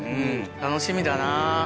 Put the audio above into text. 楽しみだなぁ。